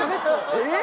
えっ？